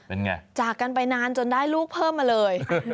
เป็นไงจากกันไปนานจนได้ลูกเพิ่มมาเลย